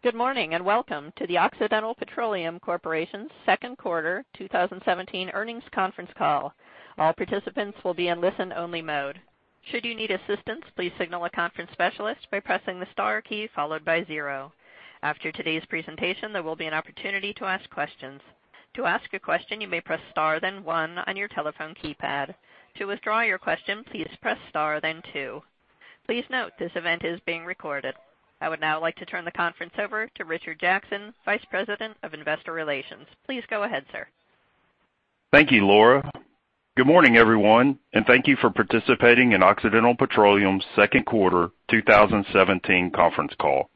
Good morning, and welcome to the Occidental Petroleum Corporation's second quarter 2017 earnings conference call. All participants will be in listen-only mode. Should you need assistance, please signal a conference specialist by pressing the star key followed by zero. After today's presentation, there will be an opportunity to ask questions. To ask a question, you may press star then one on your telephone keypad. To withdraw your question, please press star, then two. Please note this event is being recorded. I would now like to turn the conference over to Richard Jackson, Vice President of Investor Relations. Please go ahead, sir. Thank you, Laura. Good morning, everyone, and thank you for participating in Occidental Petroleum's second quarter 2017 conference call.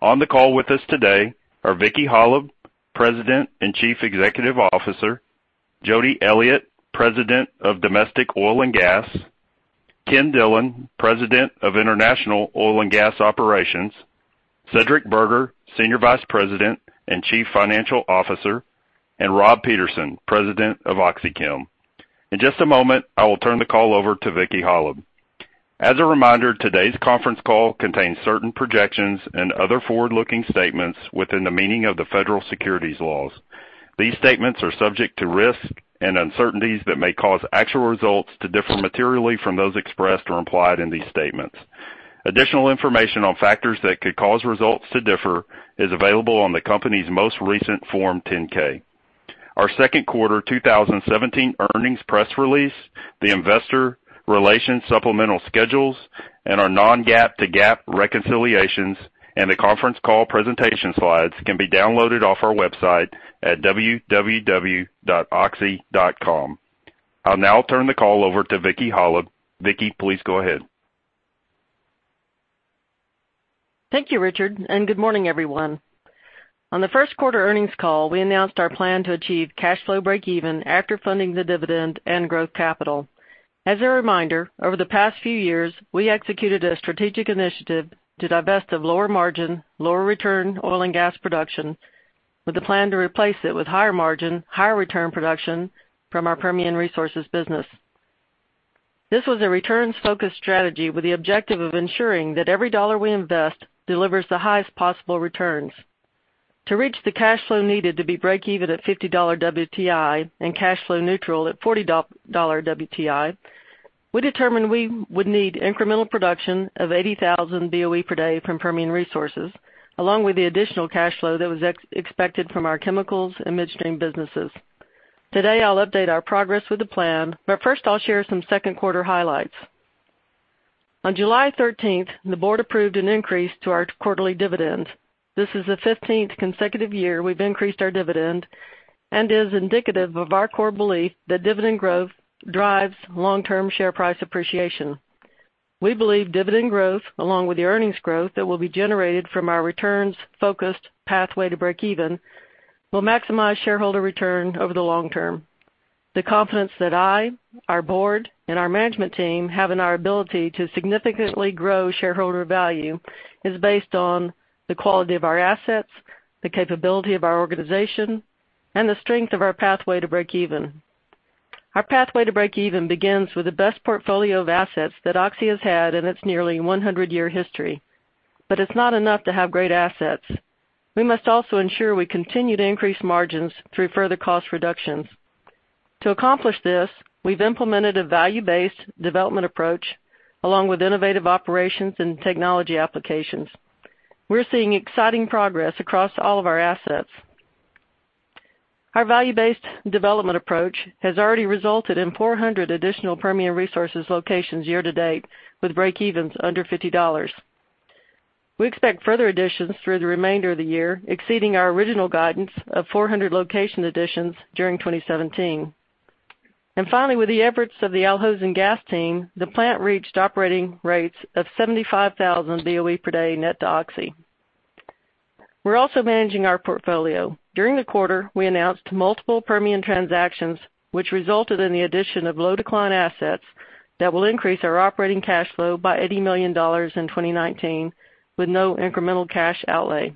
On the call with us today are Vicki Hollub, President and Chief Executive Officer, Jody Elliott, President of Domestic Oil and Gas, Ken Dillon, President of International Oil and Gas Operations, Cedric Burgher, Senior Vice President and Chief Financial Officer, and Rob Peterson, President of OxyChem. In just a moment, I will turn the call over to Vicki Hollub. As a reminder, today's conference call contains certain projections and other forward-looking statements within the meaning of the federal securities laws. These statements are subject to risk and uncertainties that may cause actual results to differ materially from those expressed or implied in these statements. Additional information on factors that could cause results to differ is available on the company's most recent Form 10-K. Our second quarter 2017 earnings press release, the investor relations supplemental schedules, and our non-GAAP to GAAP reconciliations, and the conference call presentation slides can be downloaded off our website at www.oxy.com. I'll now turn the call over to Vicki Hollub. Vicki, please go ahead. Thank you, Richard, and good morning, everyone. On the first quarter earnings call, we announced our plan to achieve cash flow breakeven after funding the dividend and growth capital. As a reminder, over the past few years, we executed a strategic initiative to divest of lower margin, lower return oil and gas production with a plan to replace it with higher margin, higher return production from our Permian Resources business. This was a returns-focused strategy with the objective of ensuring that every dollar we invest delivers the highest possible returns. To reach the cash flow needed to be breakeven at $50 WTI and cash flow neutral at $40 WTI, we determined we would need incremental production of 80,000 BOE per day from Permian Resources, along with the additional cash flow that was expected from our chemicals and midstream businesses. Today, I'll update our progress with the plan, but first I'll share some second quarter highlights. On July 13th, the board approved an increase to our quarterly dividends. This is the 15th consecutive year we've increased our dividend and is indicative of our core belief that dividend growth drives long-term share price appreciation. We believe dividend growth, along with the earnings growth that will be generated from our returns-focused pathway to breakeven, will maximize shareholder return over the long term. The confidence that I, our board, and our management team have in our ability to significantly grow shareholder value is based on the quality of our assets, the capability of our organization, and the strength of our pathway to breakeven. Our pathway to breakeven begins with the best portfolio of assets that Oxy has had in its nearly 100-year history. It's not enough to have great assets. We must also ensure we continue to increase margins through further cost reductions. To accomplish this, we've implemented a value-based development approach, along with innovative operations and technology applications. We're seeing exciting progress across all of our assets. Our value-based development approach has already resulted in 400 additional Permian Resources locations year to date with breakevens under $50. We expect further additions through the remainder of the year, exceeding our original guidance of 400 location additions during 2017. Finally, with the efforts of the Al Hosn Gas team, the plant reached operating rates of 75,000 BOE per day net to Oxy. We're also managing our portfolio. During the quarter, we announced multiple Permian transactions, which resulted in the addition of low decline assets that will increase our operating cash flow by $80 million in 2019 with no incremental cash outlay.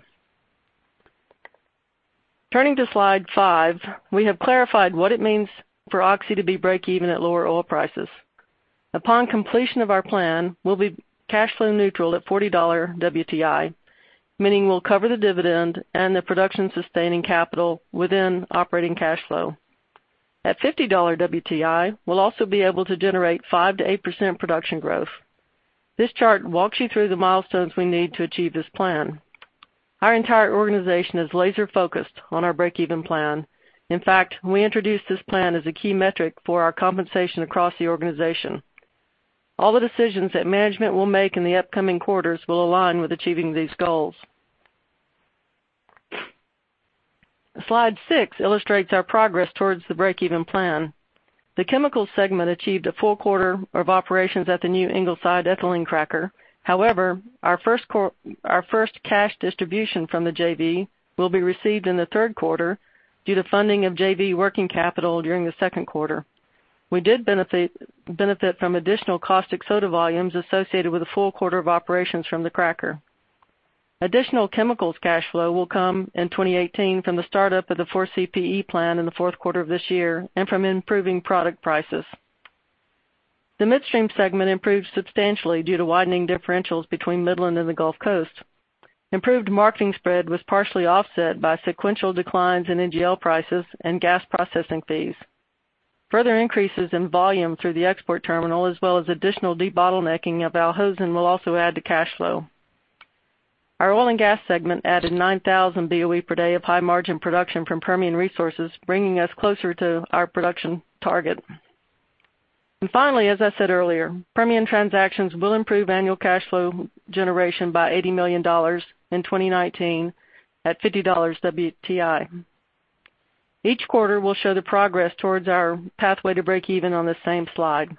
Turning to slide five, we have clarified what it means for Oxy to be breakeven at lower oil prices. Upon completion of our plan, we'll be cash flow neutral at $40 WTI, meaning we'll cover the dividend and the production-sustaining capital within operating cash flow. At $50 WTI, we'll also be able to generate 5%-8% production growth. This chart walks you through the milestones we need to achieve this plan. Our entire organization is laser-focused on our breakeven plan. In fact, we introduced this plan as a key metric for our compensation across the organization. All the decisions that management will make in the upcoming quarters will align with achieving these goals. Slide six illustrates our progress towards the breakeven plan. The chemical segment achieved a full quarter of operations at the new Ingleside ethylene cracker. However, our first cash distribution from the JV will be received in the third quarter due to funding of JV working capital during the second quarter. We did benefit from additional caustic soda volumes associated with a full quarter of operations from the cracker. Additional chemicals cash flow will come in 2018 from the startup of the 4CPe plan in the fourth quarter of this year and from improving product prices. The midstream segment improved substantially due to widening differentials between Midland and the Gulf Coast. Improved marketing spread was partially offset by sequential declines in NGL prices and gas processing fees. Further increases in volume through the export terminal, as well as additional debottlenecking of Al Hosn will also add to cash flow. Our oil and gas segment added 9,000 BOE per day of high margin production from Permian Resources, bringing us closer to our production target. Finally, as I said earlier, Permian transactions will improve annual cash flow generation by $80 million in 2019 at $50 WTI. Each quarter will show the progress towards our pathway to break even on the same slide.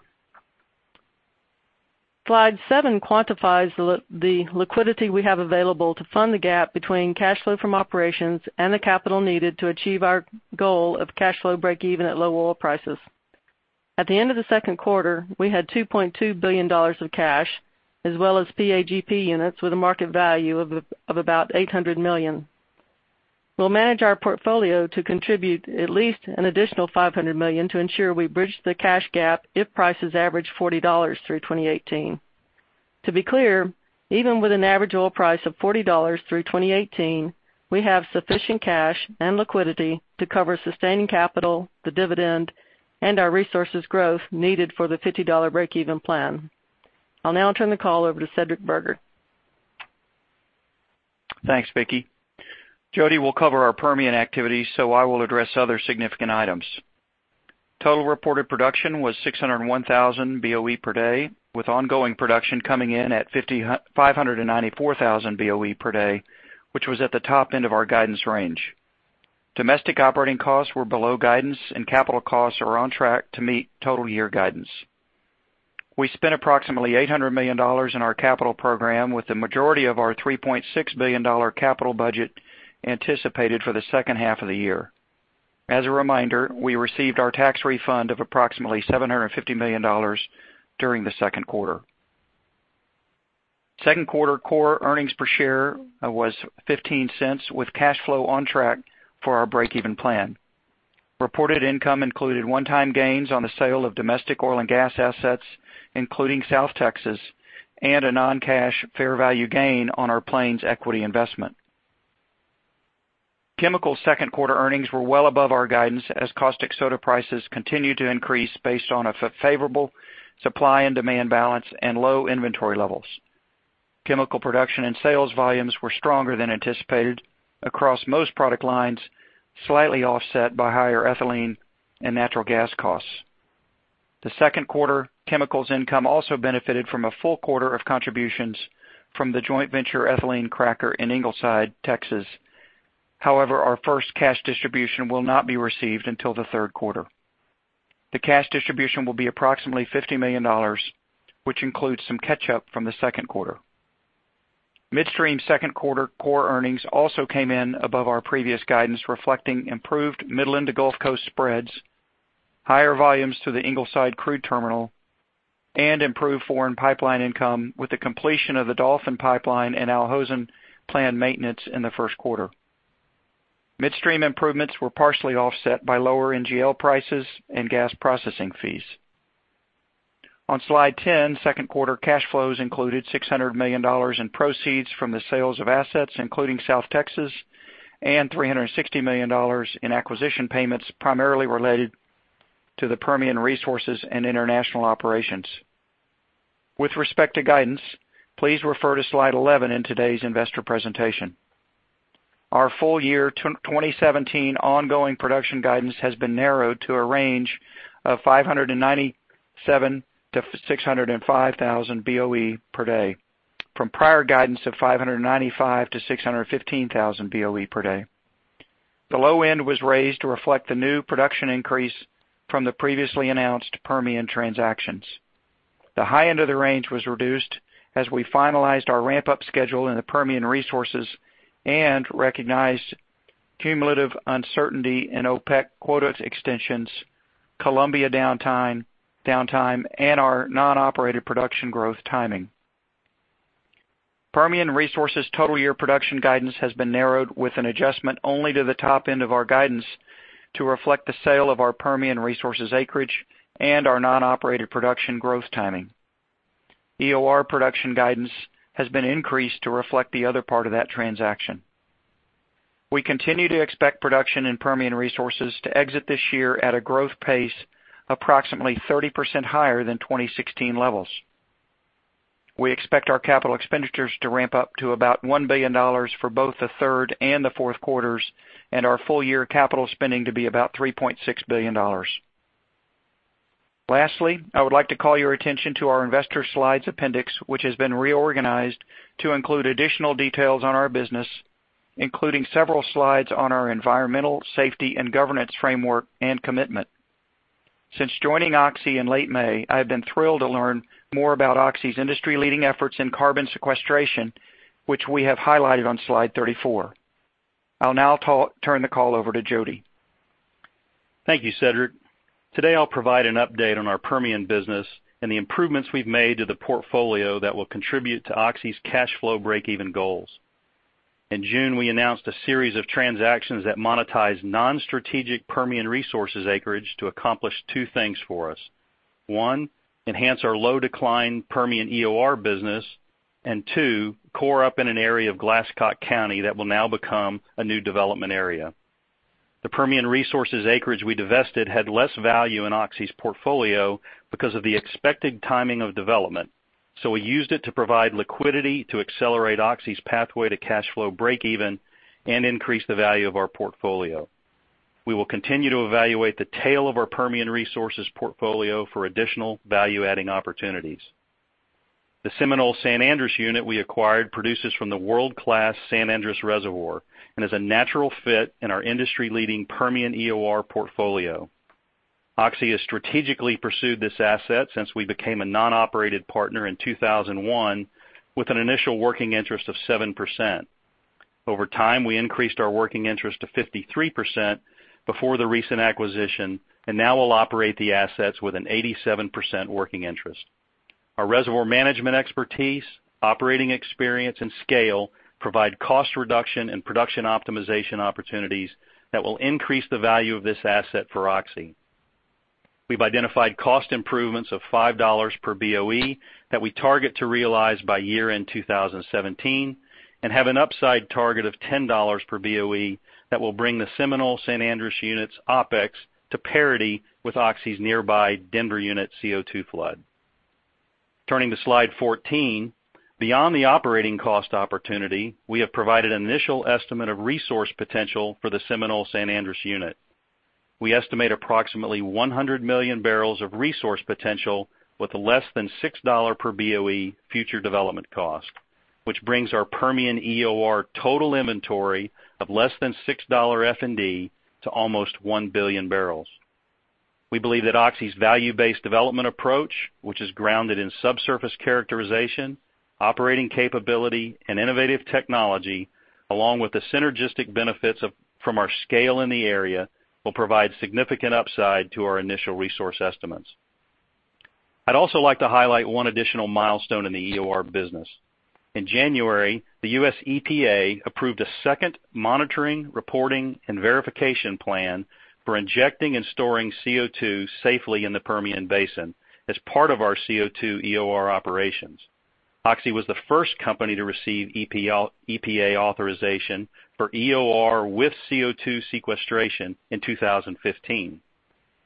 Slide seven quantifies the liquidity we have available to fund the gap between cash flow from operations and the capital needed to achieve our goal of cash flow break even at low oil prices. At the end of the second quarter, we had $2.2 billion of cash, as well as PAGP units with a market value of about $800 million. We'll manage our portfolio to contribute at least an additional $500 million to ensure we bridge the cash gap if prices average $40 through 2018. To be clear, even with an average oil price of $40 through 2018, we have sufficient cash and liquidity to cover sustaining capital, the dividend, and our resources growth needed for the $50 breakeven plan. I'll now turn the call over to Cedric Burgher. Thanks, Vicki. Jody will cover our Permian activities, so I will address other significant items. Total reported production was 601,000 BOE per day, with ongoing production coming in at 594,000 BOE per day, which was at the top end of our guidance range. Domestic operating costs were below guidance, and capital costs are on track to meet total year guidance. We spent approximately $800 million in our capital program, with the majority of our $3.6 billion capital budget anticipated for the second half of the year. As a reminder, we received our tax refund of approximately $750 million during the second quarter. Second quarter core earnings per share was $0.15, with cash flow on track for our break-even plan. Reported income included one-time gains on the sale of domestic oil and gas assets, including South Texas, and a non-cash fair value gain on our Plains equity investment. Chemical second-quarter earnings were well above our guidance as caustic soda prices continued to increase based on a favorable supply and demand balance and low inventory levels. Chemical production and sales volumes were stronger than anticipated across most product lines, slightly offset by higher ethylene and natural gas costs. The second quarter chemicals income also benefited from a full quarter of contributions from the joint venture ethylene cracker in Ingleside, Texas. However, our first cash distribution will not be received until the third quarter. The cash distribution will be approximately $50 million, which includes some catch-up from the second quarter. Midstream second quarter core earnings also came in above our previous guidance, reflecting improved Midland to Gulf Coast spreads, higher volumes through the Ingleside crude terminal, and improved foreign pipeline income with the completion of the Dolphin pipeline and Al Hosn planned maintenance in the first quarter. Midstream improvements were partially offset by lower NGL prices and gas processing fees. On slide 10, second quarter cash flows included $600 million in proceeds from the sales of assets, including South Texas, and $360 million in acquisition payments, primarily related to the Permian Resources and international operations. With respect to guidance, please refer to slide 11 in today's investor presentation. Our full year 2017 ongoing production guidance has been narrowed to a range of 597,000 to 605,000 BOE per day, from prior guidance of 595,000 to 615,000 BOE per day. The low end was raised to reflect the new production increase from the previously announced Permian transactions. The high end of the range was reduced as we finalized our ramp-up schedule in the Permian Resources and recognized cumulative uncertainty in OPEC quota extensions, Colombia downtime, and our non-operated production growth timing. Permian Resources' total year production guidance has been narrowed with an adjustment only to the top end of our guidance to reflect the sale of our Permian Resources acreage and our non-operated production growth timing. EOR production guidance has been increased to reflect the other part of that transaction. We continue to expect production in Permian Resources to exit this year at a growth pace approximately 30% higher than 2016 levels. We expect our capital expenditures to ramp up to about $1 billion for both the third and the fourth quarters, and our full-year capital spending to be about $3.6 billion. Lastly, I would like to call your attention to our investor slides appendix, which has been reorganized to include additional details on our business, including several slides on our environmental, safety, and governance framework and commitment. Since joining Oxy in late May, I have been thrilled to learn more about Oxy's industry-leading efforts in carbon sequestration, which we have highlighted on slide 34. I'll now turn the call over to Jody. Thank you, Cedric. Today, I'll provide an update on our Permian business and the improvements we've made to the portfolio that will contribute to Oxy's cash flow breakeven goals. In June, we announced a series of transactions that monetize non-strategic Permian Resources acreage to accomplish two things for us. One, enhance our low decline Permian EOR business, and two, core up in an area of Glasscock County that will now become a new development area. The Permian Resources acreage we divested had less value in Oxy's portfolio because of the expected timing of development. We used it to provide liquidity to accelerate Oxy's pathway to cash flow breakeven and increase the value of our portfolio. We will continue to evaluate the tail of our Permian Resources portfolio for additional value-adding opportunities. The Seminole San Andres unit we acquired produces from the world-class San Andres Reservoir and is a natural fit in our industry-leading Permian EOR portfolio. Oxy has strategically pursued this asset since we became a non-operated partner in 2001 with an initial working interest of 7%. Over time, we increased our working interest to 53% before the recent acquisition, and now we'll operate the assets with an 87% working interest. Our reservoir management expertise, operating experience, and scale provide cost reduction and production optimization opportunities that will increase the value of this asset for Oxy. We've identified cost improvements of $5 per BOE that we target to realize by year-end 2017 and have an upside target of $10 per BOE that will bring the Seminole San Andres unit's OpEx to parity with Oxy's nearby Denver unit CO2 flood. Turning to slide 14. Beyond the operating cost opportunity, we have provided an initial estimate of resource potential for the Seminole San Andres unit. We estimate approximately 100 million barrels of resource potential with less than $6 per BOE future development cost, which brings our Permian EOR total inventory of less than $6 F&D to almost 1 billion barrels. We believe that Oxy's value-based development approach, which is grounded in subsurface characterization, operating capability, and innovative technology, along with the synergistic benefits from our scale in the area, will provide significant upside to our initial resource estimates. I'd also like to highlight one additional milestone in the EOR business. In January, the U.S. EPA approved a second monitoring, reporting, and verification plan for injecting and storing CO2 safely in the Permian Basin as part of our CO2 EOR operations. Oxy was the first company to receive EPA authorization for EOR with CO2 sequestration in 2015.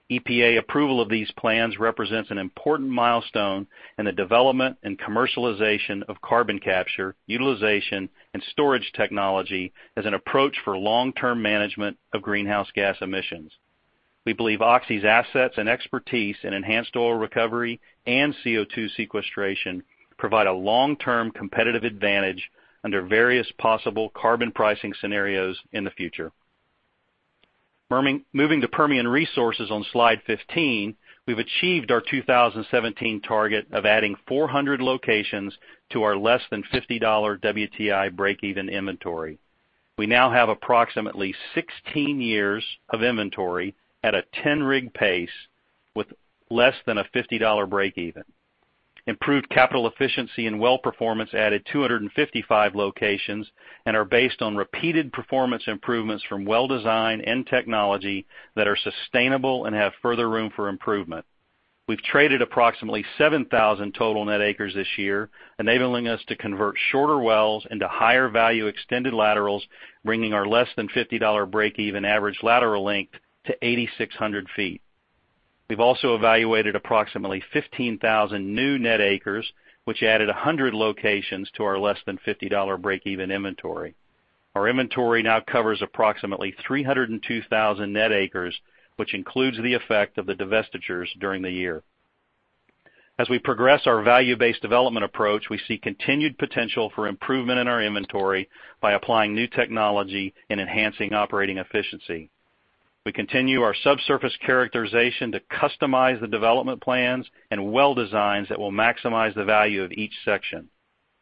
EPA approval of these plans represents an important milestone in the development and commercialization of carbon capture, utilization, and storage technology as an approach for long-term management of greenhouse gas emissions. We believe Oxy's assets and expertise in enhanced oil recovery and CO2 sequestration provide a long-term competitive advantage under various possible carbon pricing scenarios in the future. Moving to Permian Resources on slide 15, we've achieved our 2017 target of adding 400 locations to our less than $50 WTI breakeven inventory. We now have approximately 16 years of inventory at a 10-rig pace with less than a $50 breakeven. Improved capital efficiency and well performance added 255 locations and are based on repeated performance improvements from well design and technology that are sustainable and have further room for improvement. We've traded approximately 7,000 total net acres this year, enabling us to convert shorter wells into higher-value extended laterals, bringing our less than $50 breakeven average lateral length to 8,600 feet. We've also evaluated approximately 15,000 new net acres, which added 100 locations to our less than $50 breakeven inventory. Our inventory now covers approximately 302,000 net acres, which includes the effect of the divestitures during the year. As we progress our value-based development approach, we see continued potential for improvement in our inventory by applying new technology and enhancing operating efficiency. We continue our subsurface characterization to customize the development plans and well designs that will maximize the value of each section.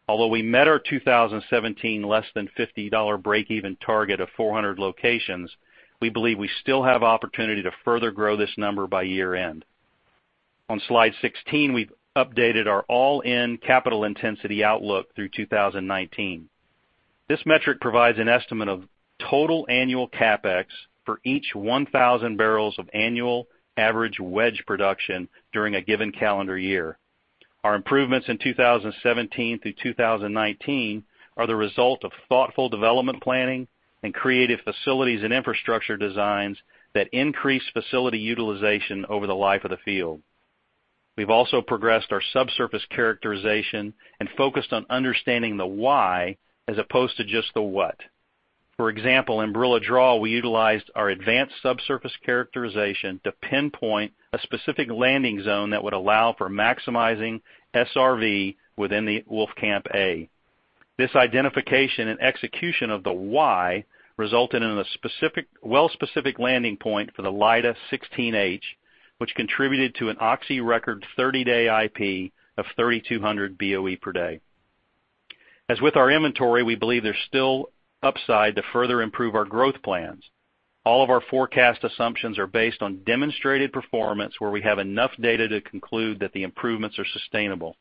Although we met our 2017 less than $50 breakeven target of 400 locations, we believe we still have opportunity to further grow this number by year-end. On slide 16, we've updated our all-in capital intensity outlook through 2019. This metric provides an estimate of total annual CapEx for each 1,000 barrels of annual average wedge production during a given calendar year. Our improvements in 2017 through 2019 are the result of thoughtful development planning and creative facilities and infrastructure designs that increase facility utilization over the life of the field. We've also progressed our subsurface characterization and focused on understanding the why as opposed to just the what. For example, in Barilla Draw, we utilized our advanced subsurface characterization to pinpoint a specific landing zone that would allow for maximizing SRV within the Wolfcamp A. This identification and execution of the why resulted in a well-specific landing point for the Lyda 16H, which contributed to an Oxy record 30-day IP of 3,200 BOE per day. With our inventory, we believe there's still upside to further improve our growth plans. All of our forecast assumptions are based on demonstrated performance where we have enough data to conclude that the improvements are sustainable.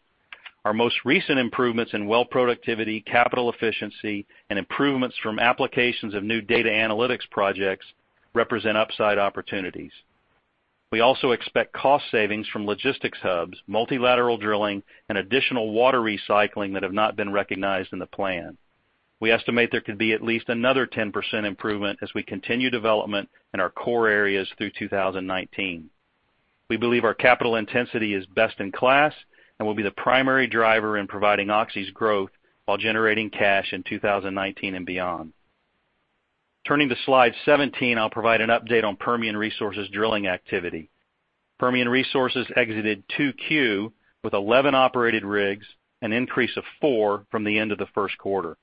Our most recent improvements in well productivity, capital efficiency, and improvements from applications of new data analytics projects represent upside opportunities. We also expect cost savings from logistics hubs, multilateral drilling, and additional water recycling that have not been recognized in the plan. We estimate there could be at least another 10% improvement as we continue development in our core areas through 2019. Turning to slide 17, I'll provide an update on Permian Resources drilling activity. Permian Resources exited 2Q with 11 operated rigs, an increase of four from the end of the first quarter.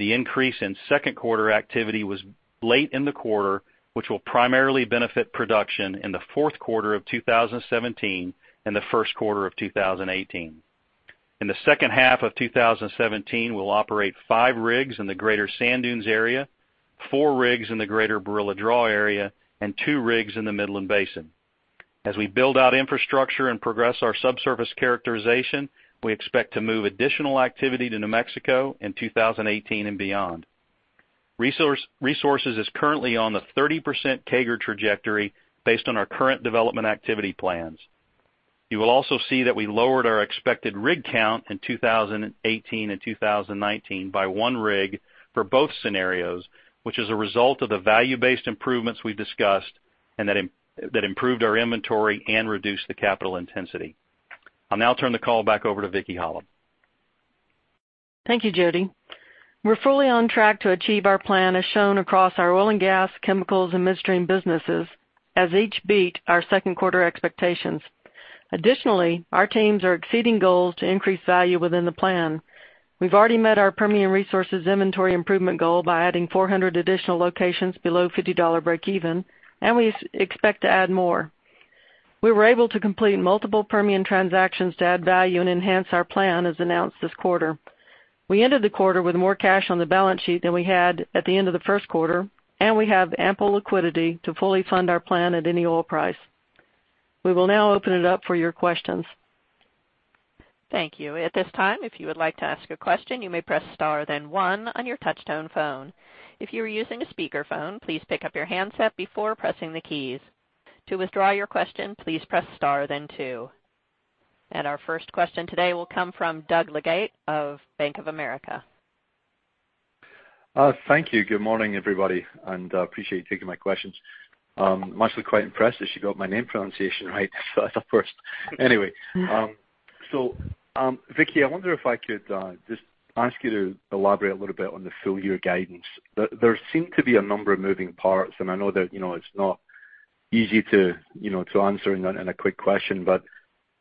The increase in second quarter activity was late in the quarter, which will primarily benefit production in the fourth quarter of 2017 and the first quarter of 2018. In the second half of 2017, we'll operate five rigs in the Greater Sand Dunes area, four rigs in the Greater Barilla Draw area, and two rigs in the Midland Basin. As we build out infrastructure and progress our subsurface characterization, we expect to move additional activity to New Mexico in 2018 and beyond. Resources is currently on the 30% CAGR trajectory based on our current development activity plans. You will also see that we lowered our expected rig count in 2018 and 2019 by one rig for both scenarios, which is a result of the value-based improvements we've discussed, and that improved our inventory and reduced the capital intensity. I'll now turn the call back over to Vicki Hollub. Thank you, Jody. We're fully on track to achieve our plan as shown across our oil and gas, chemicals, and midstream businesses, as each beat our second quarter expectations. Additionally, our teams are exceeding goals to increase value within the plan. We've already met our Permian Resources inventory improvement goal by adding 400 additional locations below $50 breakeven, and we expect to add more. We were able to complete multiple Permian transactions to add value and enhance our plan as announced this quarter. We ended the quarter with more cash on the balance sheet than we had at the end of the first quarter, and we have ample liquidity to fully fund our plan at any oil price. We will now open it up for your questions. Thank you. At this time, if you would like to ask a question, you may press star then one on your touch tone phone. If you are using a speakerphone, please pick up your handset before pressing the keys. To withdraw your question, please press star then two. Our first question today will come from Doug Leggate of Bank of America. Thank you. Good morning, everybody, appreciate you taking my questions. I'm actually quite impressed that she got my name pronunciation right first. Anyway. Vicki, I wonder if I could just ask you to elaborate a little bit on the full year guidance. There seem to be a number of moving parts, and I know that it's not easy to answer in a quick question, but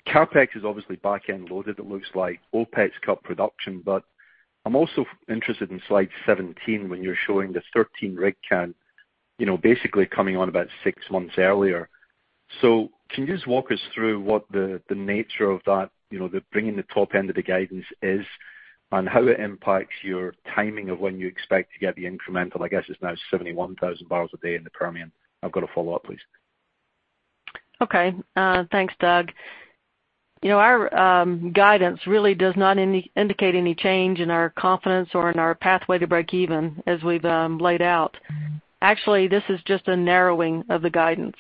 CapEx is obviously back-end loaded it looks like. OpEx cut production, but I'm also interested in slide 17 when you're showing the 13 rig count, basically coming on about six months earlier. Can you just walk us through what the nature of that, the bringing the top end of the guidance is, and how it impacts your timing of when you expect to get the incremental, I guess it's now 71,000 barrels a day in the Permian? I've got a follow-up, please. Okay. Thanks, Doug. Our guidance really does not indicate any change in our confidence or in our pathway to breakeven as we've laid out. Actually, this is just a narrowing of the guidance.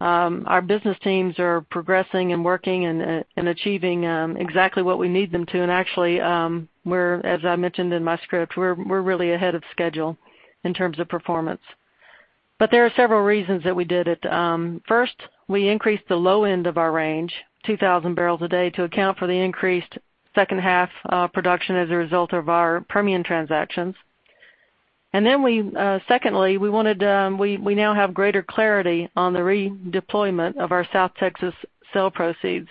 Our business teams are progressing and working and achieving exactly what we need them to. Actually, as I mentioned in my script, we're really ahead of schedule in terms of performance. There are several reasons that we did it. First, we increased the low end of our range, 2,000 barrels a day, to account for the increased second half production as a result of our Permian transactions. Secondly, we now have greater clarity on the redeployment of our South Texas sale proceeds.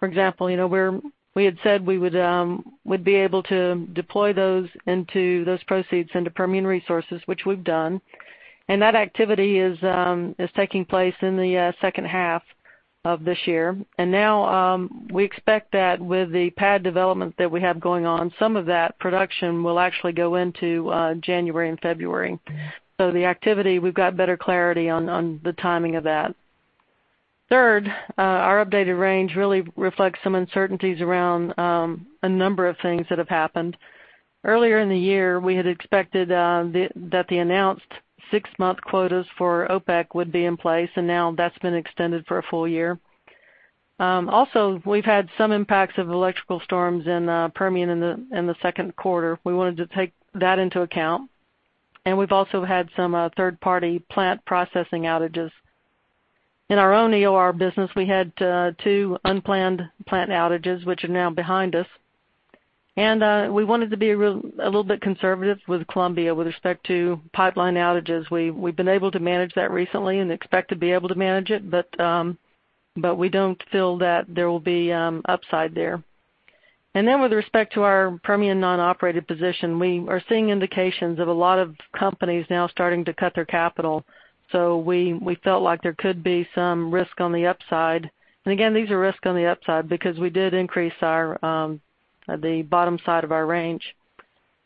For example, we had said we'd be able to deploy those into those proceeds into Permian Resources, which we've done. That activity is taking place in the second half of this year. Now, we expect that with the pad development that we have going on, some of that production will actually go into January and February. The activity, we've got better clarity on the timing of that. Third, our updated range really reflects some uncertainties around a number of things that have happened. Earlier in the year, we had expected that the announced 6-month quotas for OPEC would be in place, and now that's been extended for a full year. We've had some impacts of electrical storms in Permian in the second quarter. We wanted to take that into account. We've also had some third-party plant processing outages. In our own EOR business, we had two unplanned plant outages, which are now behind us. We wanted to be a little bit conservative with Colombia with respect to pipeline outages. We've been able to manage that recently and expect to be able to manage it, but we don't feel that there will be upside there. With respect to our Permian non-operated position, we are seeing indications of a lot of companies now starting to cut their capital. We felt like there could be some risk on the upside. Again, these are risks on the upside because we did increase our At the bottom side of our range.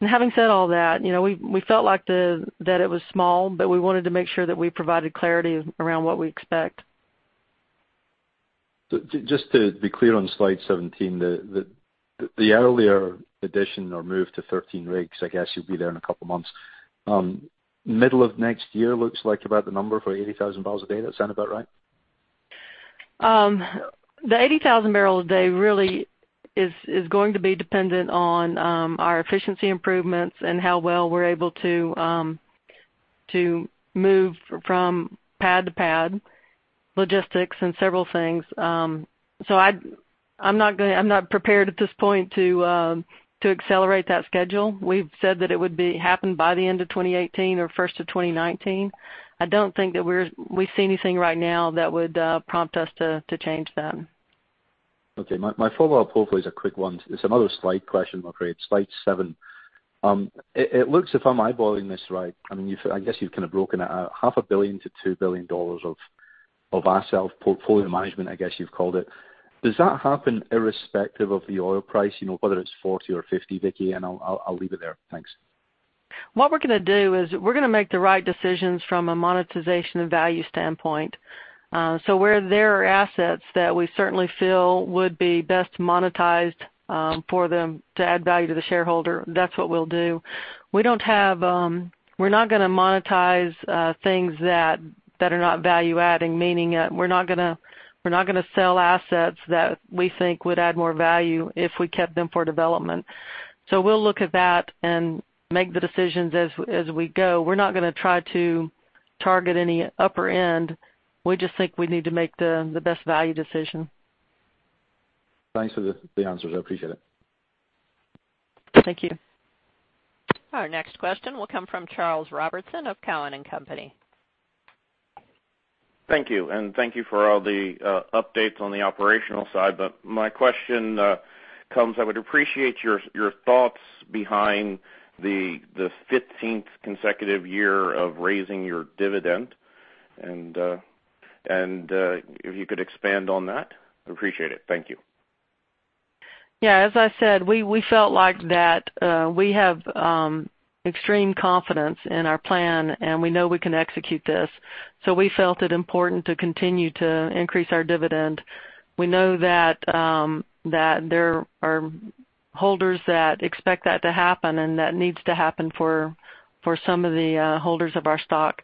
Having said all that, we felt like that it was small, but we wanted to make sure that we provided clarity around what we expect. Just to be clear on slide 17, the earlier addition or move to 13 rigs, I guess you'll be there in a couple of months. Middle of next year looks like about the number for 80,000 barrels a day. That sound about right? The 80,000 barrels a day really is going to be dependent on our efficiency improvements and how well we're able to move from pad to pad, logistics, and several things. I'm not prepared at this point to accelerate that schedule. We've said that it would happen by the end of 2018 or first of 2019. I don't think that we see anything right now that would prompt us to change that. Okay. My follow-up hopefully is a quick one. It's another slide question, I'm afraid. Slide seven. It looks, if I'm eyeballing this right, I guess you've kind of broken it out, half a billion to $2 billion of asset, of portfolio management, I guess you've called it. Does that happen irrespective of the oil price, whether it's 40 or 50, Vicki? I'll leave it there. Thanks. What we're going to do is we're going to make the right decisions from a monetization and value standpoint. Where there are assets that we certainly feel would be best monetized for them to add value to the shareholder, that's what we'll do. We're not going to monetize things that are not value-adding, meaning we're not going to sell assets that we think would add more value if we kept them for development. We'll look at that and make the decisions as we go. We're not going to try to target any upper end. We just think we need to make the best value decision. Thanks for the answers. I appreciate it. Thank you. Our next question will come from Charles Robertson of Cowen and Company. Thank you, and thank you for all the updates on the operational side. My question comes, I would appreciate your thoughts behind the 15th consecutive year of raising your dividend, and if you could expand on that, I'd appreciate it. Thank you. Yeah, as I said, we felt like that we have extreme confidence in our plan, and we know we can execute this. We felt it important to continue to increase our dividend. We know that there are holders that expect that to happen and that needs to happen for some of the holders of our stock.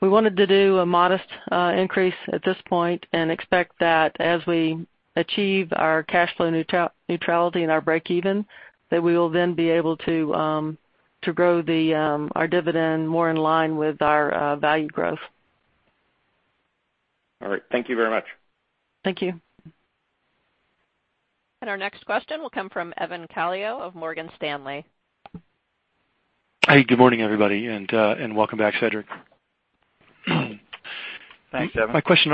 We wanted to do a modest increase at this point and expect that as we achieve our cash flow neutrality and our break even, that we will then be able to grow our dividend more in line with our value growth. All right. Thank you very much. Thank you. Our next question will come from Evan Calio of Morgan Stanley. Hey, good morning, everybody, and welcome back, Cedric. Thanks, Evan. My question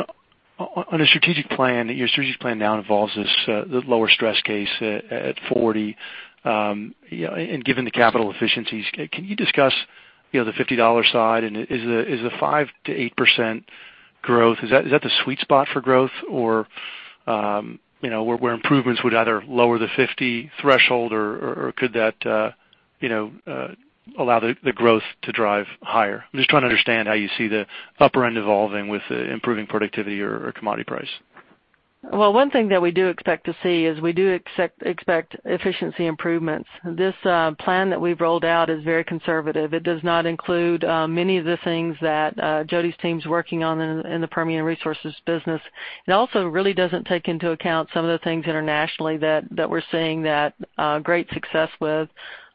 on a strategic plan, your strategic plan now involves this lower stress case at 40. Given the capital efficiencies, can you discuss the $50 side? Is the 5%-8% growth, is that the sweet spot for growth, or where improvements would either lower the 50 threshold or could that allow the growth to drive higher? I'm just trying to understand how you see the upper end evolving with improving productivity or commodity price. One thing that we do expect to see is we do expect efficiency improvements. This plan that we've rolled out is very conservative. It does not include many of the things that Jody's team's working on in the Permian Resources business. It also really doesn't take into account some of the things internationally that we're seeing great success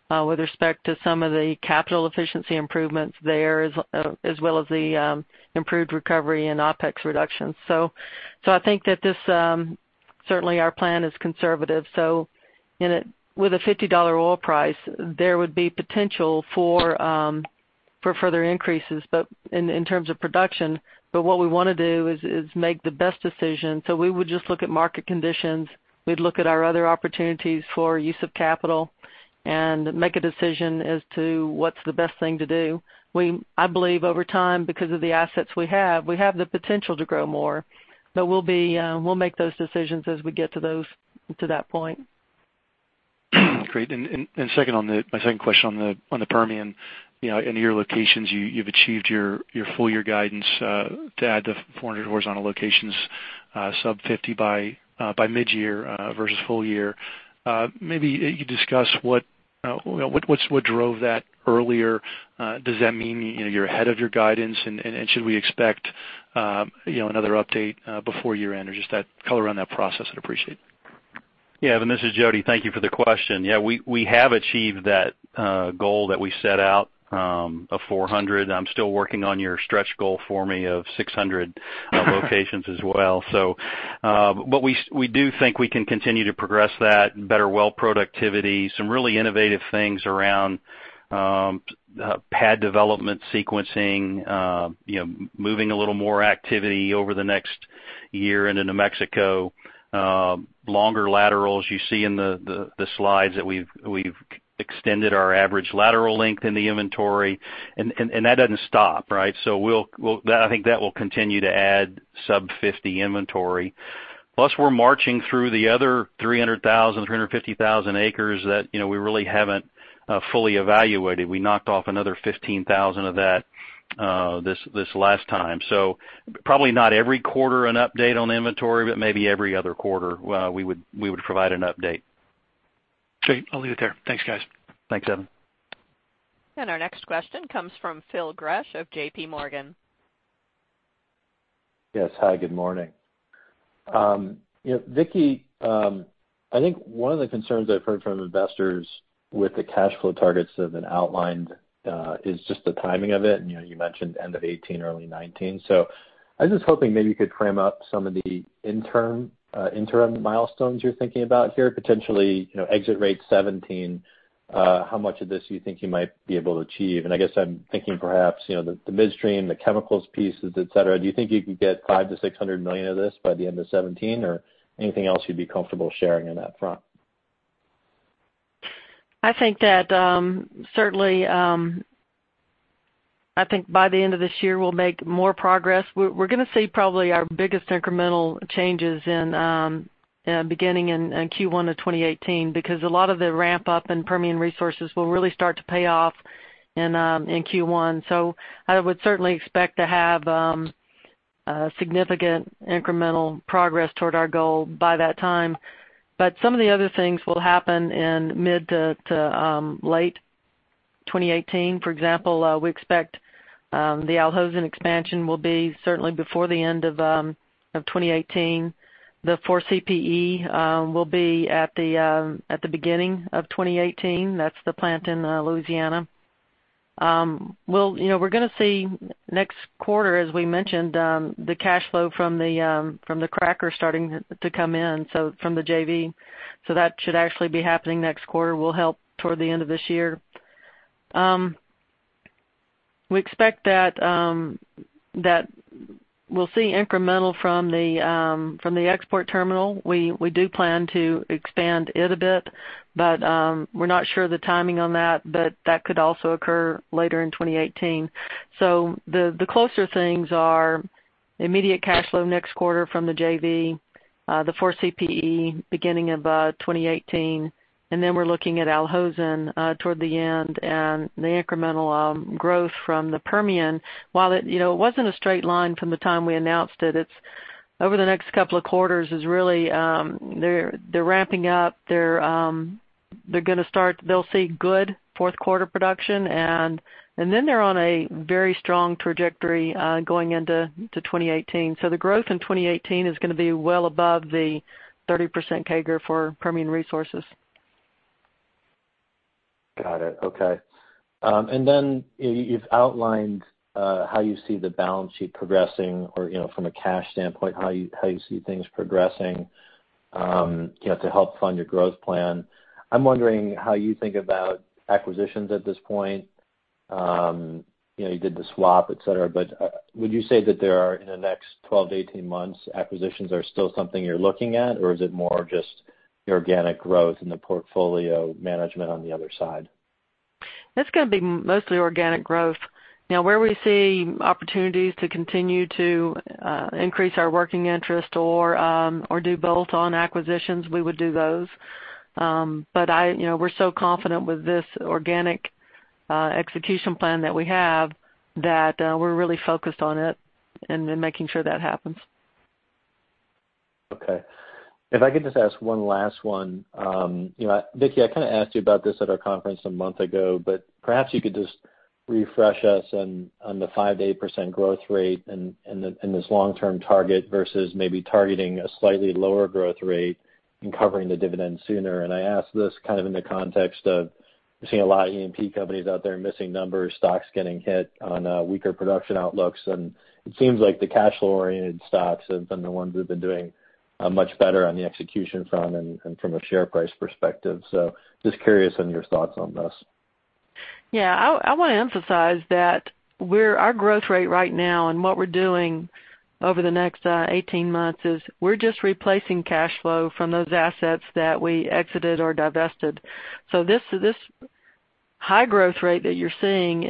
with respect to some of the capital efficiency improvements there, as well as the improved recovery and OpEx reductions. I think that certainly our plan is conservative. With a $50 oil price, there would be potential for further increases, in terms of production. What we want to do is make the best decision. We would just look at market conditions, we'd look at our other opportunities for use of capital, and make a decision as to what's the best thing to do. I believe over time, because of the assets we have, we have the potential to grow more, but we'll make those decisions as we get to that point. Great. My second question on the Permian. In your locations, you've achieved your full-year guidance to add the 400 horizontal locations sub 50 by mid-year versus full year. Maybe you discuss what drove that earlier. Does that mean you're ahead of your guidance and should we expect another update before year-end or just color on that process? I'd appreciate it. Evan, this is Jody. Thank you for the question. We have achieved that goal that we set out of 400. I'm still working on your stretch goal for me of 600 locations as well. We do think we can continue to progress that, better well productivity, some really innovative things around pad development sequencing, moving a little more activity over the next year into New Mexico. Longer laterals you see in the slides that we've extended our average lateral length in the inventory, and that doesn't stop, right? I think that will continue to add sub 50 inventory. We're marching through the other 300,000, 350,000 acres that we really haven't fully evaluated. We knocked off another 15,000 of that this last time. Probably not every quarter an update on inventory, but maybe every other quarter, we would provide an update. Great. I'll leave it there. Thanks, guys. Thanks, Evan. Our next question comes from Phil Gresh of JPMorgan. Yes. Hi, good morning. Vicki, I think one of the concerns I've heard from investors with the cash flow targets that have been outlined, is just the timing of it. You mentioned end of 2018, early 2019. I was just hoping maybe you could frame up some of the interim milestones you're thinking about here, potentially, exit rate 2017, how much of this you think you might be able to achieve? I guess I'm thinking perhaps, the midstream, the chemicals pieces, et cetera. Do you think you could get $500 million-$600 million of this by the end of 2017? Anything else you'd be comfortable sharing on that front? I think that, certainly, I think by the end of this year, we'll make more progress. We're going to see probably our biggest incremental changes beginning in Q1 2018 because a lot of the ramp-up in Permian Resources will really start to pay off in Q1. I would certainly expect to have significant incremental progress toward our goal by that time. Some of the other things will happen in mid to late 2018. For example, we expect, the Al Hosn expansion will be certainly before the end of 2018. The 4CPe will be at the beginning of 2018. That's the plant in Louisiana. We're going to see next quarter, as we mentioned, the cash flow from the cracker starting to come in, from the JV. That should actually be happening next quarter, will help toward the end of this year. We expect that we'll see incremental from the export terminal. We do plan to expand it a bit, but we're not sure of the timing on that, but that could also occur later in 2018. The closer things are immediate cash flow next quarter from the JV, the 4CPe beginning of 2018, and then we're looking at Al Hosn toward the end and the incremental growth from the Permian. While it wasn't a straight line from the time we announced it, over the next couple of quarters, they're ramping up. They'll see good fourth quarter production, and then they're on a very strong trajectory going into 2018. The growth in 2018 is going to be well above the 30% CAGR for Permian Resources. Got it. Okay. You've outlined how you see the balance sheet progressing or, from a cash standpoint, how you see things progressing to help fund your growth plan. I'm wondering how you think about acquisitions at this point. You did the swap, et cetera, but would you say that there are, in the next 12-18 months, acquisitions are still something you're looking at? Is it more just the organic growth and the portfolio management on the other side? It's going to be mostly organic growth. Where we see opportunities to continue to increase our working interest or do bolt-on acquisitions, we would do those. We're so confident with this organic execution plan that we have that we're really focused on it and then making sure that happens. Okay. If I could just ask one last one. Vicki, I kind of asked you about this at our conference a month ago, perhaps you could just refresh us on the 5%-8% growth rate and this long-term target versus maybe targeting a slightly lower growth rate and covering the dividend sooner. I ask this kind of in the context of seeing a lot of E&P companies out there missing numbers, stocks getting hit on weaker production outlooks, it seems like the cash flow-oriented stocks have been the ones who've been doing much better on the execution front and from a share price perspective. Just curious on your thoughts on this. Yeah. I want to emphasize that our growth rate right now and what we're doing over the next 18 months is we're just replacing cash flow from those assets that we exited or divested. This high growth rate that you're seeing,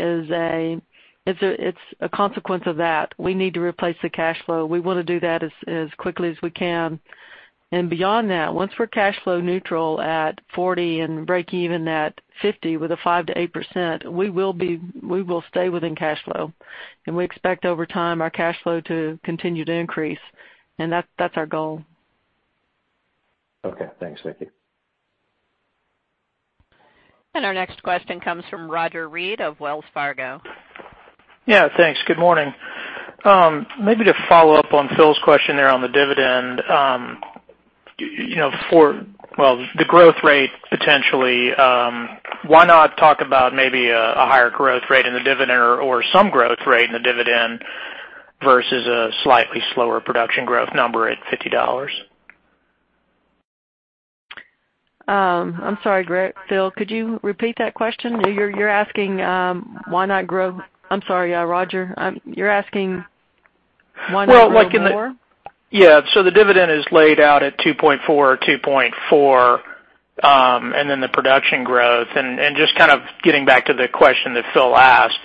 it's a consequence of that. We need to replace the cash flow. We want to do that as quickly as we can. Beyond that, once we're cash flow neutral at $40 and breakeven at $50 with a 5%-8%, we will stay within cash flow. We expect over time our cash flow to continue to increase. That's our goal. Okay. Thanks, Vicki. Our next question comes from Roger Read of Wells Fargo. Yeah, thanks. Good morning. Maybe to follow up on Phil's question there on the dividend. Well, the growth rate potentially, why not talk about maybe a higher growth rate in the dividend or some growth rate in the dividend versus a slightly slower production growth number at $50? I'm sorry, Phil, could you repeat that question? You're asking why not grow I'm sorry, Roger. You're asking Well, like. One or more? Yeah. The dividend is laid out at $2.4, $2.4, and then the production growth. Just kind of getting back to the question that Phil asked,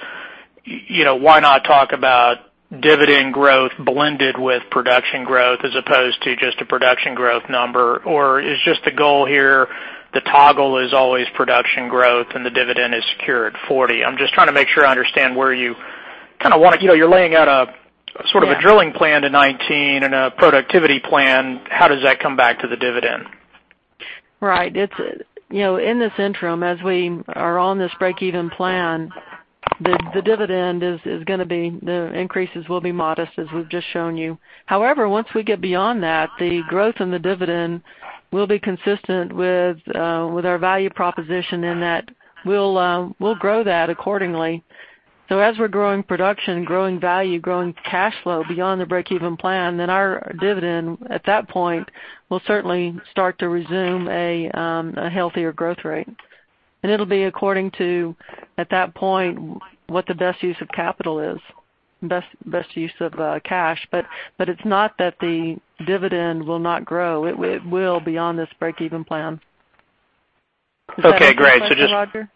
why not talk about dividend growth blended with production growth as opposed to just a production growth number? Is just the goal here, the toggle is always production growth and the dividend is secure at $40? I'm just trying to make sure I understand where you kind of want. You're laying out a sort of a drilling plan to 2019 and a productivity plan. How does that come back to the dividend? Right. In this interim, as we are on this breakeven plan, the increases will be modest as we've just shown you. However, once we get beyond that, the growth in the dividend will be consistent with our value proposition in that we'll grow that accordingly. As we're growing production, growing value, growing cash flow beyond the breakeven plan, then our dividend at that point will certainly start to resume a healthier growth rate. It'll be according to, at that point, what the best use of capital is, best use of cash. It's not that the dividend will not grow. It will beyond this breakeven plan. Okay, great. Does that answer your question, Roger?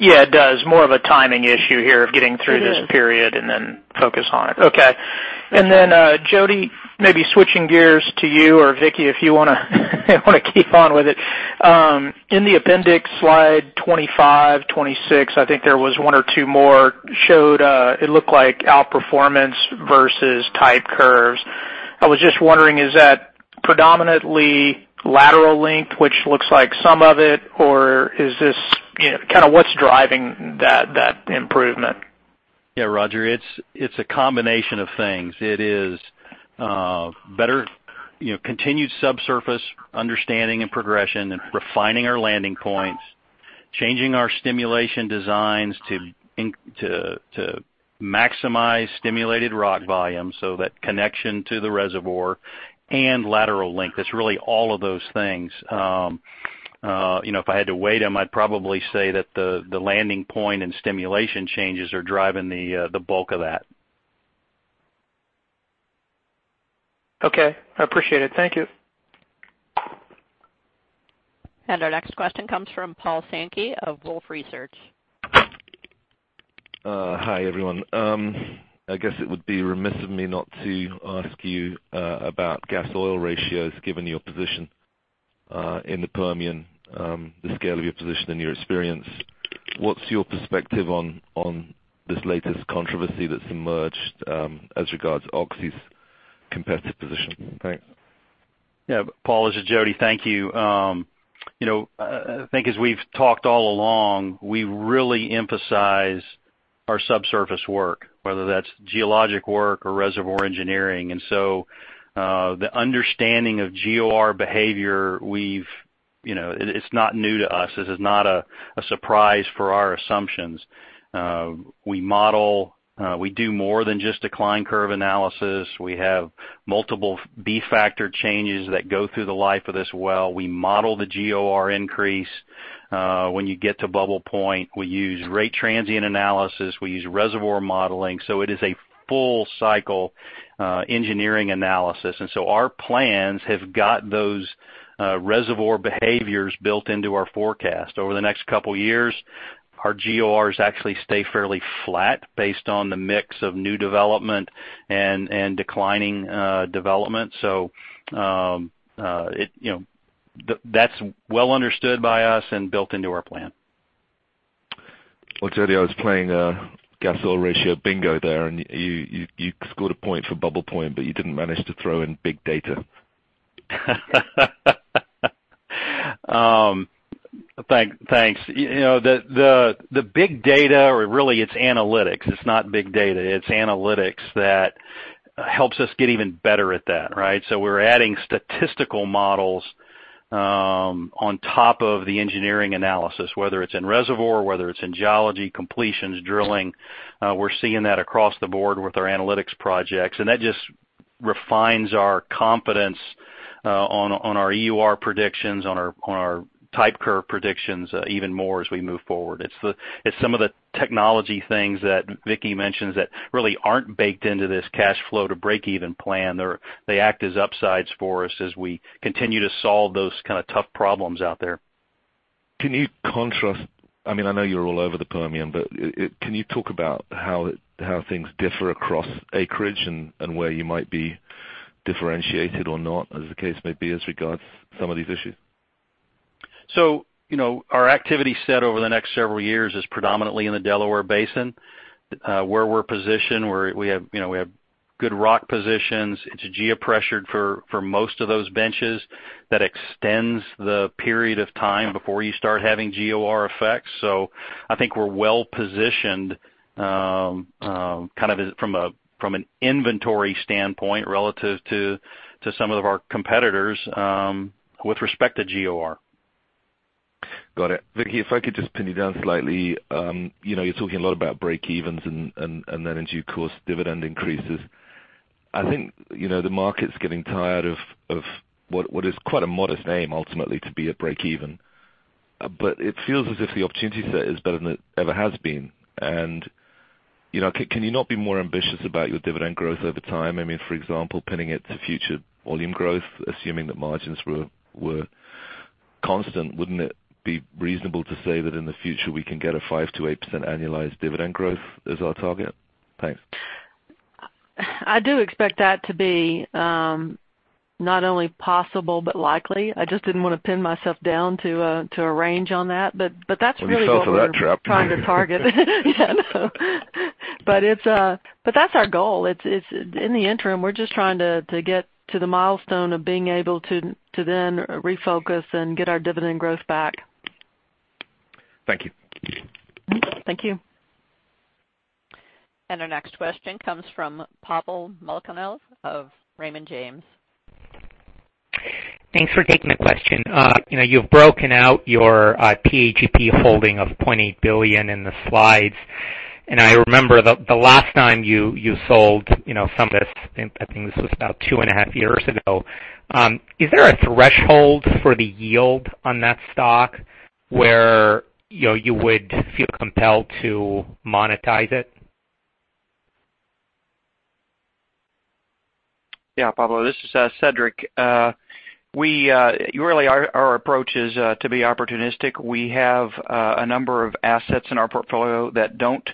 Yeah, it does. More of a timing issue here of getting through this period and then focus on it. Okay. Jody, maybe switching gears to you or Vicki, if you want to keep on with it. In the appendix, slide 25, 26, I think there was one or two more, showed it looked like outperformance versus type curves. I was just wondering, is that predominantly lateral length, which looks like some of it, or kind of what's driving that improvement? Yeah, Roger, it's a combination of things. It is better continued subsurface understanding and progression and refining our landing points, changing our stimulation designs to maximize stimulated rock volume, so that connection to the reservoir, and lateral length. It's really all of those things. If I had to weight them, I'd probably say that the landing point and stimulation changes are driving the bulk of that. Okay. I appreciate it. Thank you. Our next question comes from Paul Sankey of Wolfe Research. Hi, everyone. I guess it would be remiss of me not to ask you about gas oil ratios, given your position in the Permian, the scale of your position and your experience. What's your perspective on this latest controversy that's emerged as regards Oxy's competitive position? Thanks. Yeah. Paul, this is Jody. Thank you. I think as we've talked all along, we really emphasize our subsurface work, whether that's geologic work or reservoir engineering. The understanding of GOR behavior, it's not new to us. This is not a surprise for our assumptions. We model, we do more than just decline curve analysis. We have multiple B-factor changes that go through the life of this well. We model the GOR increase. When you get to bubble point, we use rate transient analysis. We use reservoir modeling. It is a full-cycle engineering analysis. Our plans have got those reservoir behaviors built into our forecast. Over the next couple of years, our GORs actually stay fairly flat based on the mix of new development and declining development. That's well understood by us and built into our plan. Well, Jody, I was playing gas oil ratio bingo there, you scored a point for bubble point, you didn't manage to throw in big data. Thanks. The big data, or really it's analytics. It's not big data. It's analytics that helps us get even better at that, right? We're adding statistical models on top of the engineering analysis, whether it's in reservoir, whether it's in geology, completions, drilling. We're seeing that across the board with our analytics projects. And that just refines our confidence on our EUR predictions, on our type curve predictions even more as we move forward. It's some of the technology things that Vicki mentions that really aren't baked into this cash flow to breakeven plan. They act as upsides for us as we continue to solve those kind of tough problems out there. Can you contrast, I know you're all over the Permian, can you talk about how things differ across acreage and where you might be differentiated or not, as the case may be, as regards some of these issues? Our activity set over the next several years is predominantly in the Delaware Basin. Where we're positioned, we have good rock positions. It's geopressured for most of those benches. That extends the period of time before you start having GOR effects. I think we're well-positioned from an inventory standpoint relative to some of our competitors with respect to GOR. Got it. Vicki, if I could just pin you down slightly. You're talking a lot about breakevens and then in due course, dividend increases. I think the market's getting tired of what is quite a modest aim, ultimately, to be at breakeven. It feels as if the opportunity set is better than it ever has been. Can you not be more ambitious about your dividend growth over time? For example, pinning it to future volume growth, assuming that margins were constant, wouldn't it be reasonable to say that in the future we can get a 5%-8% annualized dividend growth as our target? Thanks. I do expect that to be not only possible, but likely. I just didn't want to pin myself down to a range on that. That's really what we're- You fell for that trap. trying to target. Yeah, I know. That's our goal. In the interim, we're just trying to get to the milestone of being able to then refocus and get our dividend growth back. Thank you. Thank you. Our next question comes from Pavel Molchanov of Raymond James. Thanks for taking the question. You've broken out your PAGP holding of $0.8 billion in the slides. I remember the last time you sold some of this, I think this was about 2.5 years ago. Is there a threshold for the yield on that stock where you would feel compelled to monetize it? Pavel, this is Cedric. Our approach is to be opportunistic. We have a number of assets in our portfolio that don't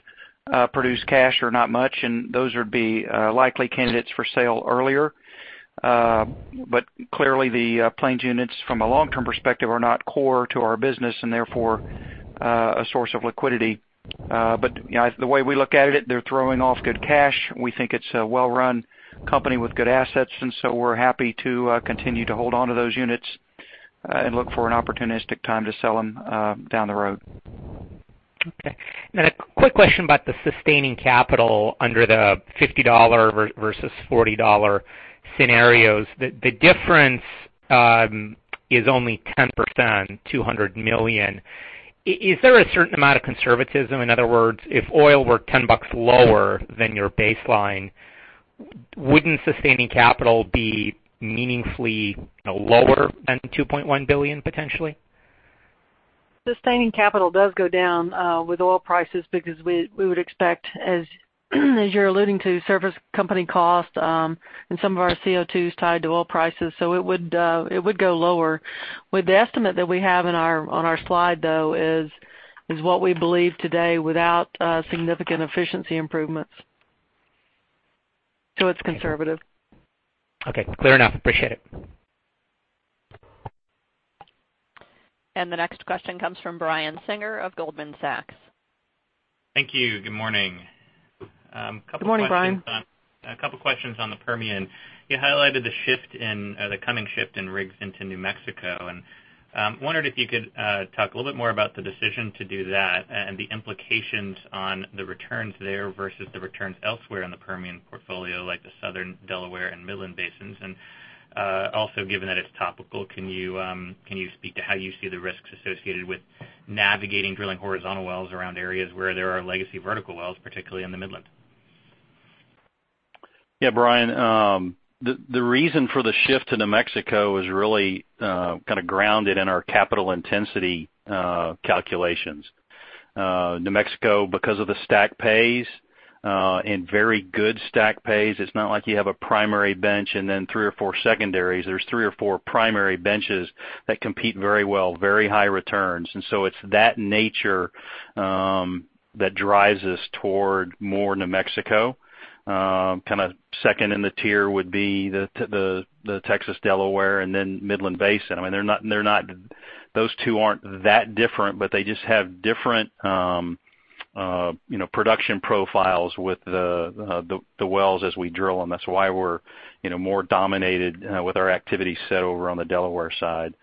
produce cash, or not much, and those would be likely candidates for sale earlier. Clearly the Plains units from a long-term perspective are not core to our business and therefore a source of liquidity. The way we look at it, they're throwing off good cash. We think it's a well-run company with good assets, we're happy to continue to hold onto those units, and look for an opportunistic time to sell them down the road. Okay. A quick question about the sustaining capital under the $50 versus $40 scenarios. The difference is only 10%, $200 million. Is there a certain amount of conservatism? In other words, if oil were $10 lower than your baseline, wouldn't sustaining capital be meaningfully lower than $2.1 billion, potentially? Sustaining capital does go down with oil prices because we would expect, as you're alluding to, service company cost, and some of our CO2 is tied to oil prices, it would go lower. With the estimate that we have on our slide, though, is what we believe today without significant efficiency improvements. It's conservative. Okay, clear enough. Appreciate it. The next question comes from Brian Singer of Goldman Sachs. Thank you. Good morning. Good morning, Brian. A couple questions on the Permian. Wondered if you could talk a little bit more about the decision to do that and the implications on the returns there versus the returns elsewhere in the Permian portfolio, like the Southern Delaware and Midland Basin. Also, given that it's topical, can you speak to how you see the risks associated with navigating drilling horizontal wells around areas where there are legacy vertical wells, particularly in the Midland? Yeah, Brian. The reason for the shift to New Mexico is really grounded in our capital intensity calculations. New Mexico, because of the stack pays, and very good stack pays. It's not like you have a primary bench and then three or four secondaries. There's three or four primary benches that compete very well, very high returns. So it's that nature that drives us toward more New Mexico. Second in the tier would be the Texas Delaware, and then Midland Basin. Those two aren't that different, but they just have different production profiles with the wells as we drill them. That's why we're more dominated with our activity set over on the Delaware side.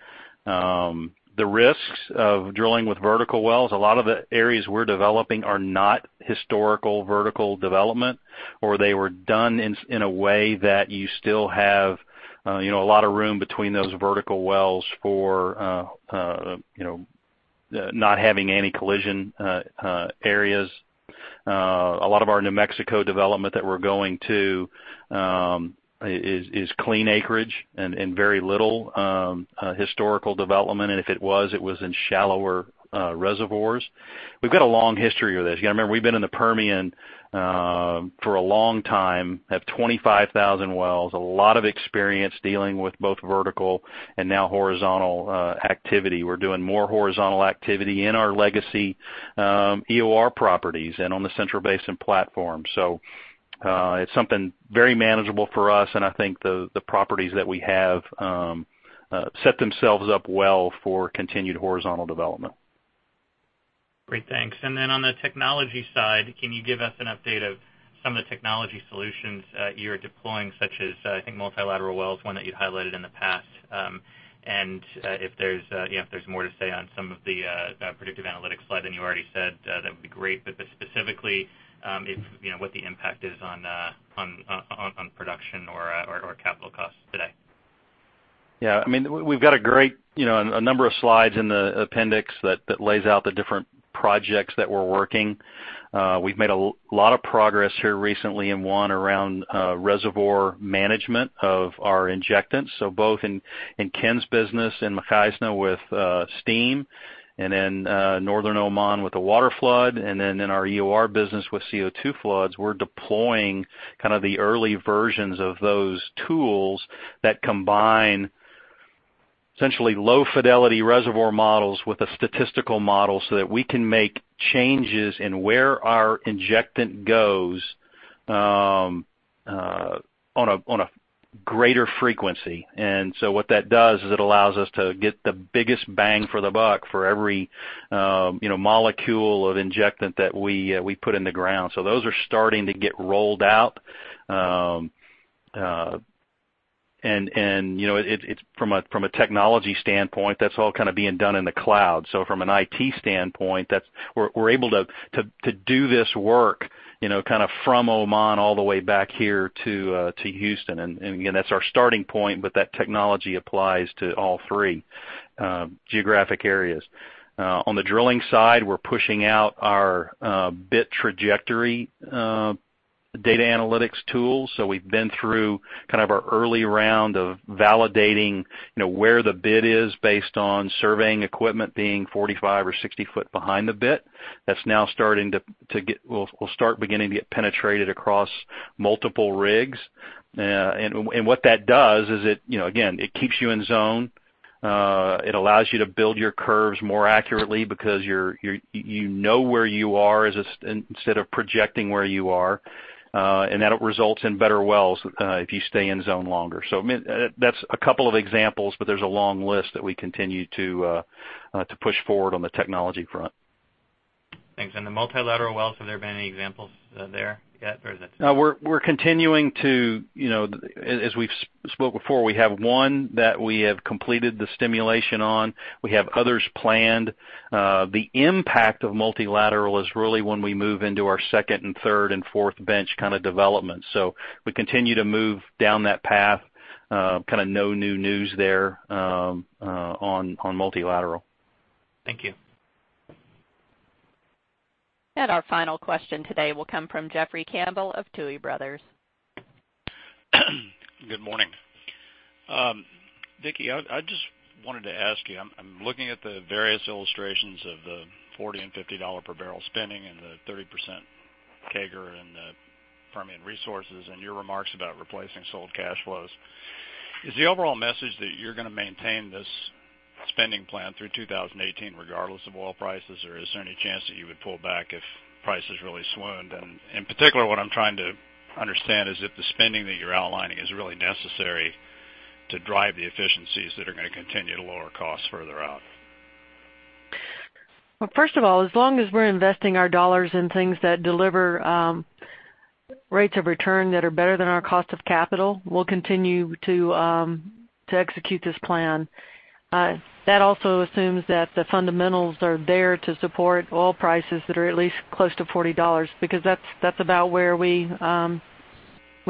The risks of drilling with vertical wells, a lot of the areas we're developing are not historical vertical development, or they were done in a way that you still have a lot of room between those vertical wells for not having any collision areas. A lot of our New Mexico development that we're going to is clean acreage and very little historical development, and if it was, it was in shallower reservoirs. We've got a long history with this. You've got to remember, we've been in the Permian for a long time, have 25,000 wells, a lot of experience dealing with both vertical and now horizontal activity. We're doing more horizontal activity in our legacy EOR properties and on the Central Basin Platform. It's something very manageable for us, and I think the properties that we have set themselves up well for continued horizontal development. Great. Thanks. On the technology side, can you give us an update of some of the technology solutions you're deploying, such as, I think, multilateral wells, one that you've highlighted in the past? If there's more to say on some of the predictive analytics slide than you already said, that would be great. Specifically, what the impact is on production or Yeah. We've got a number of slides in the appendix that lays out the different projects that we're working. We've made a lot of progress here recently in one around reservoir management of our injectants. Both in Ken's business in Mukhaizna with steam and in Northern Oman with the water flood, and then in our EOR business with CO2 floods, we're deploying the early versions of those tools that combine essentially low-fidelity reservoir models with a statistical model so that we can make changes in where our injectant goes on a greater frequency. What that does is it allows us to get the biggest bang for the buck for every molecule of injectant that we put in the ground. Those are starting to get rolled out. From a technology standpoint, that's all being done in the cloud. From an IT standpoint, we're able to do this work from Oman all the way back here to Houston. Again, that's our starting point, but that technology applies to all three geographic areas. On the drilling side, we're pushing out our bit trajectory data analytics tool. We've been through our early round of validating where the bit is based on surveying equipment being 45 or 60 foot behind the bit. That's now will start beginning to get penetrated across multiple rigs. What that does is, again, it keeps you in zone. It allows you to build your curves more accurately because you know where you are instead of projecting where you are. That results in better wells if you stay in zone longer. That's a couple of examples, but there's a long list that we continue to push forward on the technology front. Thanks. The multilateral wells, have there been any examples there yet? No, we're continuing as we've spoke before, we have one that we have completed the stimulation on. We have others planned. The impact of multilateral is really when we move into our second and third and fourth bench development. We continue to move down that path. No new news there on multilateral. Thank you. Our final question today will come from Jeffrey Campbell of Tuohy Brothers. Good morning. Vicki, I just wanted to ask you, I'm looking at the various illustrations of the $40 and $50 per barrel spending and the 30% CAGR in the Permian Resources and your remarks about replacing sold cash flows. Is the overall message that you're going to maintain this spending plan through 2018 regardless of oil prices, or is there any chance that you would pull back if prices really swooned? In particular, what I'm trying to understand is if the spending that you're outlining is really necessary to drive the efficiencies that are going to continue to lower costs further out. Well, first of all, as long as we're investing our dollars in things that deliver rates of return that are better than our cost of capital, we'll continue to execute this plan. That also assumes that the fundamentals are there to support oil prices that are at least close to $40 because that's about where we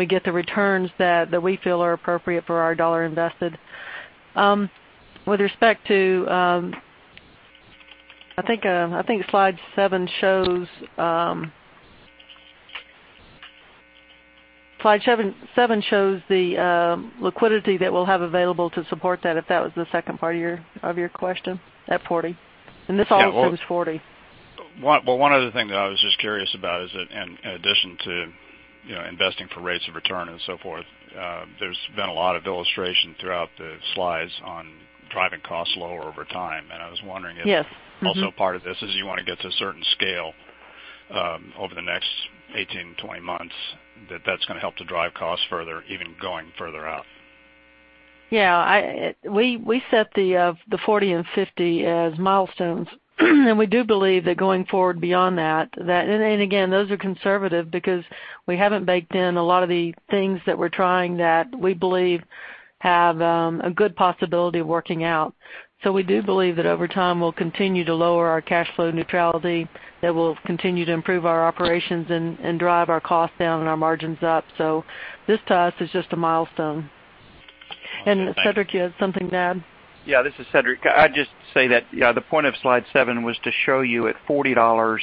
get the returns that we feel are appropriate for our dollar invested. I think slide seven shows the liquidity that we'll have available to support that, if that was the second part of your question, at 40. This all assumes 40. Well, one other thing that I was just curious about is that in addition to investing for rates of return and so forth, there's been a lot of illustration throughout the slides on driving costs lower over time. I was wondering if. Yes. Mm-hmm Also part of this is you want to get to a certain scale over the next 18 to 20 months, that that's going to help to drive costs further, even going further out. Yeah. We set the $40 and $50 as milestones. We do believe that going forward beyond that, again, those are conservative because we haven't baked in a lot of the things that we're trying that we believe have a good possibility of working out. We do believe that over time, we'll continue to lower our cash flow neutrality, that we'll continue to improve our operations and drive our costs down and our margins up. This to us is just a milestone. Okay, thanks. Cedric, you had something to add? Yeah, this is Cedric. I'd just say that the point of slide seven was to show you at $40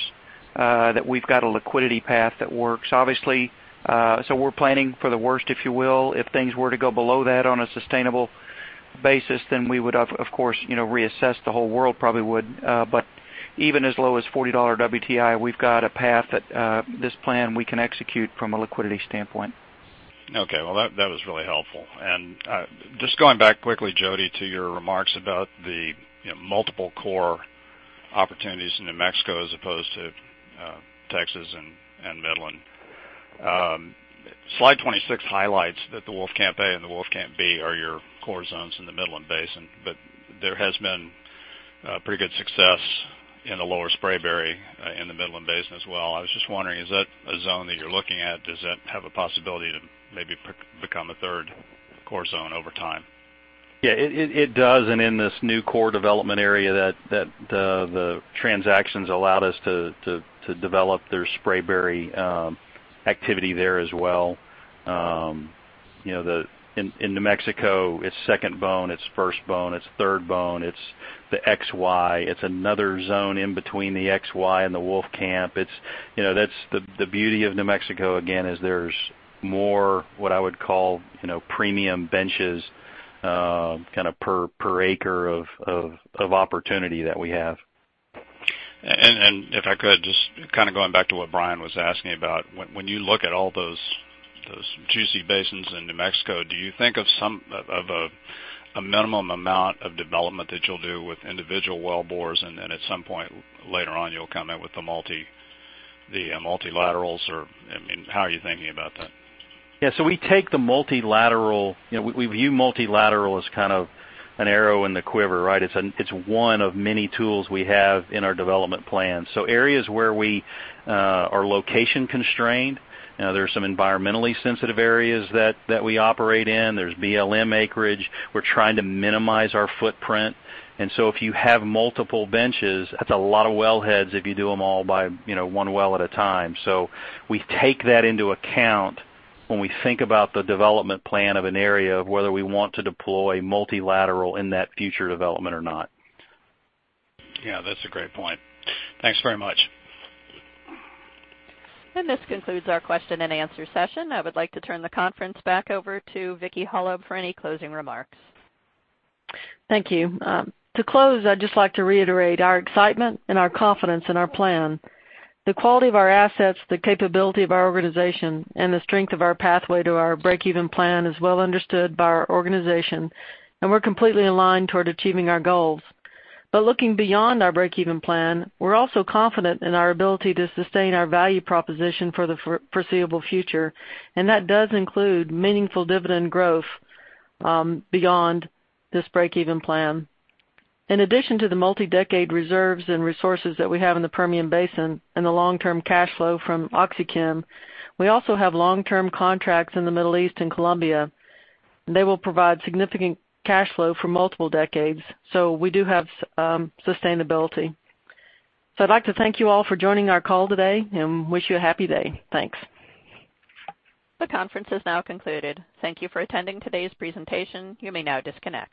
that we've got a liquidity path that works. Obviously, we're planning for the worst, if you will. If things were to go below that on a sustainable basis, then we would, of course, reassess, the whole world probably would. Even as low as $40 WTI, we've got a path that this plan we can execute from a liquidity standpoint. Okay. Well, that was really helpful. Just going back quickly, Jody, to your remarks about the multiple core opportunities in New Mexico as opposed to Texas and Midland. Slide 26 highlights that the Wolfcamp A and the Wolfcamp B are your core zones in the Midland Basin, there has been pretty good success in the Lower Spraberry in the Midland Basin as well. I was just wondering, is that a zone that you're looking at? Does that have a possibility to maybe become a third core zone over time? Yeah, it does. In this new core development area that the transactions allowed us to develop, there's Spraberry activity there as well. In New Mexico, it's second Bone, it's first Bone, it's third Bone, it's the XY. It's another zone in between the XY and the Wolfcamp. The beauty of New Mexico, again, is there's more, what I would call premium benches per acre of opportunity that we have. If I could, just going back to what Brian was asking about, when you look at all those juicy basins in New Mexico, do you think of a minimum amount of development that you'll do with individual wellbores, and then at some point later on you'll come in with the multilaterals, or how are you thinking about that? We view multilateral as an arrow in the quiver, right? It's one of many tools we have in our development plan. Areas where we are location constrained, there are some environmentally sensitive areas that we operate in. There's BLM acreage. We're trying to minimize our footprint. If you have multiple benches, that's a lot of wellheads if you do them all by one well at a time. We take that into account when we think about the development plan of an area of whether we want to deploy multilateral in that future development or not. That's a great point. Thanks very much. This concludes our question and answer session. I would like to turn the conference back over to Vicki Hollub for any closing remarks. Thank you. To close, I'd just like to reiterate our excitement and our confidence in our plan. The quality of our assets, the capability of our organization, and the strength of our pathway to our breakeven plan is well understood by our organization, and we're completely aligned toward achieving our goals. Looking beyond our breakeven plan, we're also confident in our ability to sustain our value proposition for the foreseeable future, and that does include meaningful dividend growth beyond this breakeven plan. In addition to the multi-decade reserves and resources that we have in the Permian Basin and the long-term cash flow from OxyChem, we also have long-term contracts in the Middle East and Colombia. They will provide significant cash flow for multiple decades, so we do have sustainability. I'd like to thank you all for joining our call today, and wish you a happy day. Thanks. The conference has now concluded. Thank you for attending today's presentation. You may now disconnect.